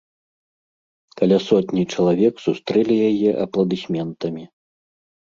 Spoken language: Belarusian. Каля сотні чалавек сустрэлі яе апладысментамі.